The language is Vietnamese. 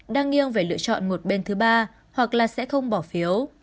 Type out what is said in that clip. đang nghiêng phải lựa chọn một bên thứ ba hoặc là sẽ không bỏ phiếu